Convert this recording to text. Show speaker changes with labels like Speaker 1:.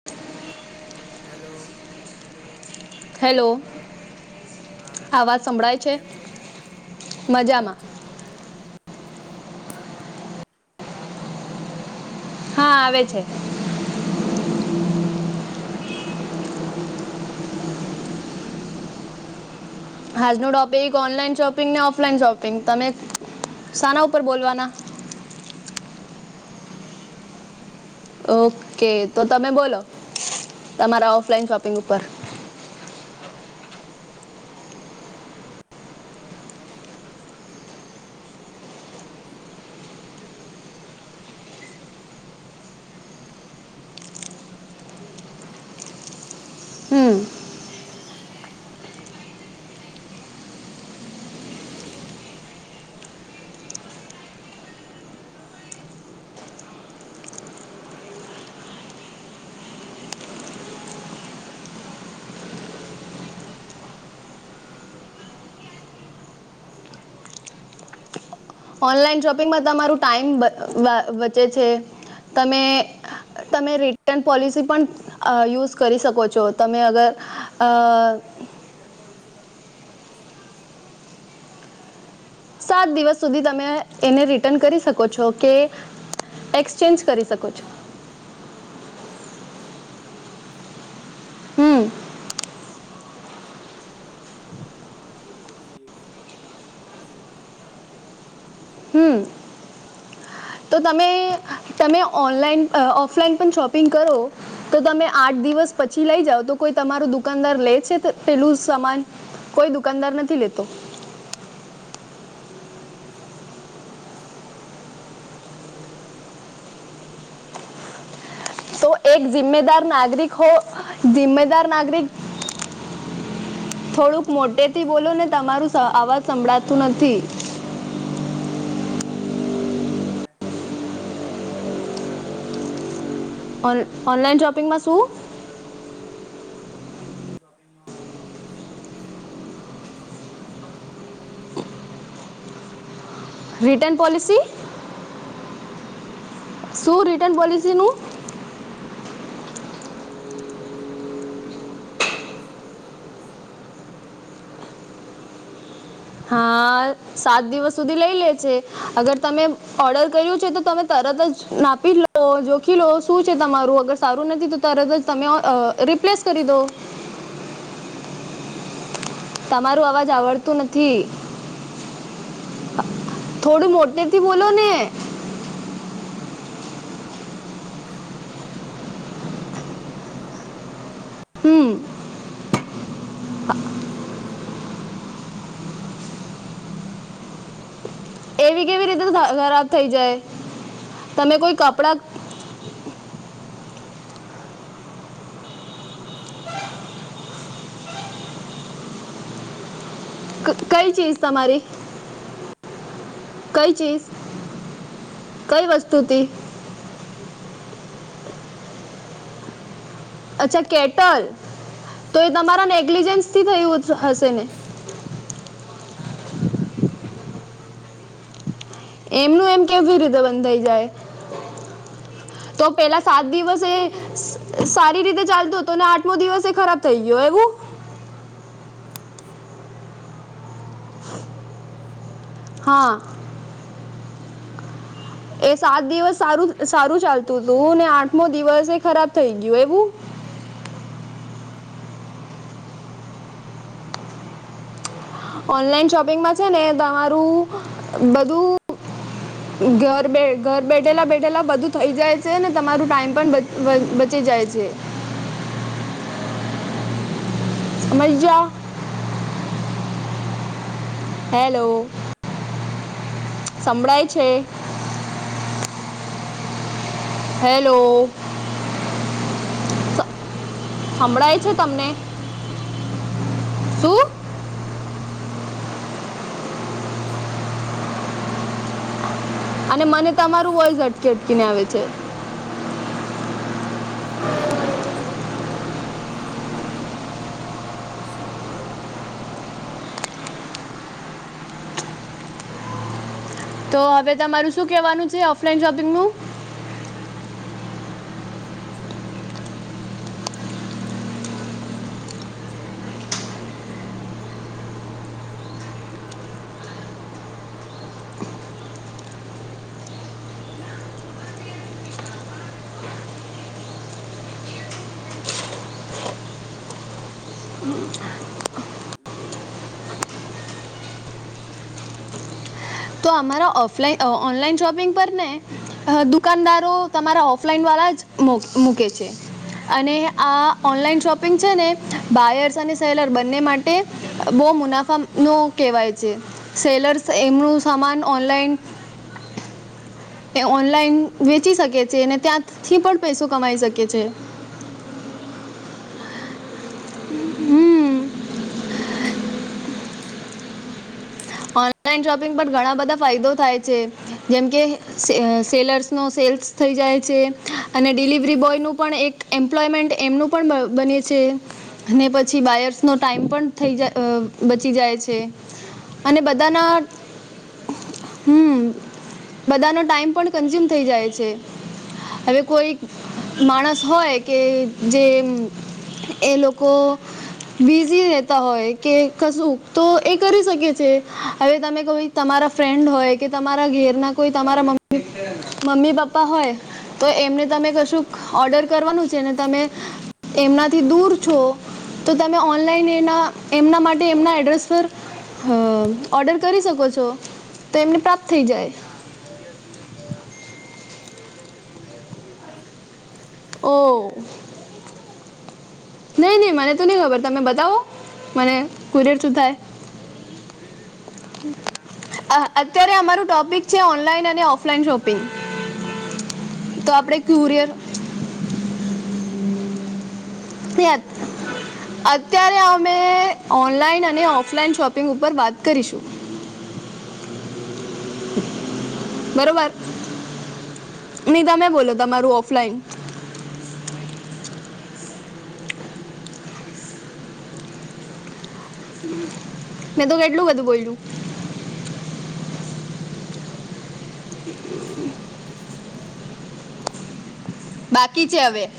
Speaker 1: [inaudible]
Speaker 2: Hello
Speaker 1: hello
Speaker 2: હા કેમ છો? હા આવ
Speaker 1: મજામાં
Speaker 2: છે તમારું મારા અવાજ આવે છે તમને?
Speaker 1: હા આવે છે.
Speaker 2: આજે આપણો ટોપિક હું છે?
Speaker 1: આજ નો ટોપિક ઓનલાઈન શોપિંગ ને ઓફલાઈન શોપિંગ તમે સાના ઉપર બોલવાના?
Speaker 2: ઓફલાઇન શોપિંગ
Speaker 1: ઓકે તો તમે બોલો તમારા ઓફલાઈન શોપ
Speaker 2: ઓફલાઈન શો હા ઓફલાઈન શોપિંગ કરવો જોઈએ કારણ કે ઓફલાઈન શોપિંગ એક છે.
Speaker 1: [unintelligible]
Speaker 2: [unintelligible] [unintelligible]
Speaker 1: હમ
Speaker 2: [unintelligible] [unintelligible] [unintelligible] [unintelligible] [unintelligible] હલો
Speaker 1: ઓનલાઈન શોપિંગમાં તમારું ટાઈમ બ બ બચે છે તમે તમે રિટર્ન પોલિસી પણ યુઝ કરી શકો છો તમે અગર અ,
Speaker 2: રિટર્ન પોલિસી તમને કેલા દિવસે મળવાની છે રીટર્ન
Speaker 1: સાત દિવસ સુધી તમે એને રિટર્ન કરી
Speaker 2: હા
Speaker 1: શકો છો
Speaker 2: સાત
Speaker 1: કે
Speaker 2: દિવસ
Speaker 1: એક્સચેન્જ કરી શકો છો.
Speaker 2: આઠ અને સાત દિવસ એ યુઝ [unintelligible] બરોબર
Speaker 1: હમ
Speaker 2: [unintelligible] આઠમ દિવસે યુઝ કર્યું તમે આઠમ દિવસે વસ્તુ ખરાબ થય ગયું પછી હું
Speaker 1: હમ
Speaker 2: કરવાના તમે?
Speaker 1: તો તમે તમે ઓનલાઇન ઓફલાઈન પણ શોપિંગ કરો તો તમે આઠ દિવસ પછી લઈ જાઓ તો કોઈ તમારું દુકાનદાર લે છે પેલું સમાન કોઈ દુક
Speaker 2: લેવાનું લેવાનું હો પછી આપડે બોલવાનું છેને યુઝ ન જે કર એ કરશે ને પછી આપણે ઘ પી રિપેરિંગ કરીને આવે છે
Speaker 1: તો એક જિમ્મેદાર
Speaker 2: થોડી આપે
Speaker 1: નાગરિક હો જિમ્મેદાર નાગરિક
Speaker 2: ઓનલાઈન શોપિંગ વાળ છે ઓનલાઈન શોપિંગે
Speaker 1: થી બોલો ને તમારું અવાજ સંભળાતું નથી
Speaker 2: ઓનલાઈન શોપિંગ માળ તને લેવાના છે એવું કી કઈ પોલિસી આ્યું જયારે
Speaker 1: ઓર
Speaker 2: હેલો તમારા અવાજ નથી આવ્યો તમે ઓનલાઈન શોપિંગ ના આઠમી દિવસે કોઈ રિટર્ન પોલિસી લેવાના છે
Speaker 1: રિટન પોલિસી
Speaker 2: હા
Speaker 1: શું રિટર્ન
Speaker 2: એ તો
Speaker 1: પોલિસીનું
Speaker 2: [unintelligible] દિવસ હા ઓનલાઈન શોપિંગ તમને આઠમે દિવસે રિટર્ન પોલિસીમાં એટલે રિટર્ન કરવા દેવાના છે.
Speaker 1: હા સાત દિવસ સુધી લઈ લે છે અગર તમે
Speaker 2: હા
Speaker 1: ઓર્ડર કર્યું છે તો તમે તરત જ નાપી લો જોખી લો શું છે તમારું અગર સારું
Speaker 2: પણ
Speaker 1: નથી તો તરત જ તમે
Speaker 2: પણ
Speaker 1: રિપ્લેસ કરી દો
Speaker 2: [unintelligible] એવું
Speaker 1: તમારું
Speaker 2: કવ
Speaker 1: અવાજ
Speaker 2: છું
Speaker 1: આવડતું નથી
Speaker 2: ચલો હલો હલો હલો
Speaker 1: થોડું મોટેથી બોલો ને
Speaker 2: હા હવે જો તમે એક સાત દિવસ સુધી કન્ટિન્યુ વાપરી એ વસ્તુને બરોબર
Speaker 1: હમ
Speaker 2: હલો અને આઠમી દિવસ જે વસ્તુ જે ખરાબ થઈ ગઈ તો તમે શું કરશો
Speaker 1: એવી કેવી રીતે ખરાબ થઈ જાય તમે કોઈ
Speaker 2: તો
Speaker 1: કપડા
Speaker 2: [unintelligible] અમારે તો મોબાઈલ ફોન ઇલેક્ટ્રિક કેટીએમ તો [unintelligible] સાત આઠ દિવસ સુધી બરબર ચાલુ તો આઠમી દિવસ ખરાબ થઈ ગયું હતી
Speaker 1: ક કઈ ચીજ તમારી
Speaker 2: હા
Speaker 1: કઈ ચીજ કઈ વસ્તુ તી
Speaker 2: કેટીએમ કેટીએમ એ પાણી ગરમ કરવાનું
Speaker 1: અચ્છા કેટલ તો એ તમારા
Speaker 2: કેટલ
Speaker 1: નેગ્લિજન્સ થી થયુ
Speaker 2: હા મેં
Speaker 1: હશે ને
Speaker 2: ના ના ના ના એનું એનું બંધ પડી ગયું છે.
Speaker 1: એમનું એમ કેવી રીતે બંધ થઈ જાય તો પેલા સાત
Speaker 2: છે એનું
Speaker 1: દિવસ સે
Speaker 2: એનું
Speaker 1: સારી રીતે ચાલતું ને આઠમુ દિવસ એ ખરાબ થઈ ગયુ એવું [inaudible]
Speaker 2: હલો
Speaker 1: હા
Speaker 2: હા બોલો
Speaker 1: એ સાત દિવસ સારું સારું ચાલતું હતું ને આઠમો દિવસ એ ખરાબ થઈ ગયું એવું ઓનલાઈન શોપિંગમાં છે ને તમારું બધું ઘર બે ઘર બેઠેલા બેઠેલાં બધું થઈ જાય છે ને તમારું ટાઈમ પણ બચી જાય છે. સમજ્યા, હેલો, સંભળાય છે. હેલો,
Speaker 2: હેલો હા બોલો
Speaker 1: સ-
Speaker 2: ને તમારો
Speaker 1: સંભળાય
Speaker 2: અવાજ
Speaker 1: છે
Speaker 2: નથી
Speaker 1: તમને
Speaker 2: ક્લિયર આવતો અટકી અને પછી
Speaker 1: શું
Speaker 2: સભળાજ અવાજ ક્લયર નથી આવતો તમારા વોઇસ ક્લિયર નથી આવતો હો અટકી અટકીને અવે છે.
Speaker 1: અને મને તમારું વોઇસ અટકી અટકીને આવે છે.
Speaker 2: એવું બેઓ ને એસ એમ જ પ્રોબ્લેમ છે અમારે એ બી એસએમએસ નો પ્રોબ્લેમ છે. સીમનો પ્રોબ્લેમ છે.
Speaker 1: તો હવે તમારું શું
Speaker 2: હેલો
Speaker 1: કહેવાનું છે ઓફલાઈન શોપિંગનું,
Speaker 2: ઓફલાઈન શોપિંગ, કરવું જોઈએ કારણ કે આપણે ખબર છે કઈ શોપ માંથી લીધું છે કઈ શોપ માંથી નઈ લીધું છે. ઓનલાઈન શોપિંગમાં તમને ખબર છે કે આપણે ઓફરનો માલ આવે છે તો કેવી રીતે આવે છે. જે બધો વર્ષનો માલ પડેલો રહે છે ને તો એમને ઓફર, એના ઉપર ઓફર લગાવી દે છે અને એ નવો માલ પર નહીં ઓફર લગાવતા. કારણ કે એમને દુકાન દિવાળીની પછી દુકાન ક્લીન કરવાની છે.
Speaker 1: તો અમારા ઓફલાઈન અ ઓનલાઈન શોપિંગ પર ને દુકાનદારો તમારા ઓફલાઈન વાળા જ મૂક મૂકે છે અને આ ઓનલાઈન શોપિંગ છે ને બાયર્સ અને સેલર બંને
Speaker 2: હા
Speaker 1: માટે બો મુનાફ નો કહેવાય છે, સેલર્સ એમનું સામાન
Speaker 2: એ એ જ
Speaker 1: ઓનલાઈન એ ઓનલાઈન વેચી
Speaker 2: છે
Speaker 1: શકે છે અનેને ત્યાંથી પણ પૈસો કમાઈ શકે છે.
Speaker 2: એવું એ બરાબર છે
Speaker 1: હમ્મ
Speaker 2: બોલો [inaudible]
Speaker 1: ઓનલાઈન શોપિંગ પર ઘણા બધા ફાયદો થાય છે જેમકેે સેલર્સનો સેલ્સ થઈ જાય છે અને ડિલિવરી બોયનું પણ એક એમ્પ્લોયમેન્ટ એમનું પણ બની છે અને પછી બાયર્સ નો ટાઈમ પણ થઈ જાય અ બચી જાય છે અને બધાના
Speaker 2: એવું
Speaker 1: હમ્મ બધાનો ટાઈમ પણ કન્ઝ્યુમ થઈ જાય છે. હવે કોઈ માણસ હોય કે જે એ લોકો બીઝી રેતા હોય કે કશું તો એ કરી શકે છે હવે તમે કોઈ તમારા ફ્રેન્ડ હોય કે તમારા ઘેરના કોઈ તમારા મમ્મી મમ્મી પપ્પા હોય તો એમને તમે કશુંક ઓર્ડર કરવાનું છે ને તમે એમનાથી દૂર છો તો તમે ઓનલાઈન એના એમના માટે એમના એડ્રેસ પર હ ઓર્ડર કરી શકો છો તો એમને પ્રાપ્ત થઈ જાય.
Speaker 2: ના અમે કુરિયરથી ના અમે ઓફલાઈન લઈને કુરિયરથી વેચી શકી
Speaker 1: ઓ
Speaker 2: કુરિયર એટલે તમને ખબર છે કુરિયર?
Speaker 1: નહીં નહીં મને તો નહીં ખબર તમે બતાવો મને કુરિયર શું થાય
Speaker 2: કુરિયર કુરિયર એટલે ટ્રાન્સપોર્ટેન
Speaker 1: અત્યારે અમારું
Speaker 2: ટ્રાન્સપોર્ટેશનનું કામ
Speaker 1: ટોપિક છે ઓનલાઈન અને ઓફલાઈન શોપિંગ તો
Speaker 2: અરે
Speaker 1: આપણે
Speaker 2: કુરિયર
Speaker 1: ક્યુરિયર
Speaker 2: એટલે તમને ખબર છે તમે જ બોલે છો તમે એવું બોલ્યો તમને કુરિયરથી બી પાર્સલ કરતા હો એવું બોલ્યો છેને
Speaker 1: ઓફલાઇન શોપિંગ શોપિંગ ઉપર વાત કરીશું
Speaker 2: હા, બોલો પછી
Speaker 1: બરોબર નહી તમે બોલો તમારું ઓફલાઈન
Speaker 2: મેં તો બોલ્યો ને ઓફલાઈન શોપિંગ પરથી કેટલો બધું બોલ્યો તમે બોલ્યાજ નથી કશું
Speaker 1: મેં તોું કેટલું બધું બોલયું
Speaker 2: મેં બી કેટલું બધું બોલ્યો ચાલસે હવે બોલો ચાલો ટાઈમ પતિ ગયો
Speaker 1: બાકી છે હવે